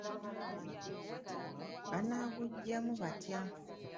Baanaguggyamu batya?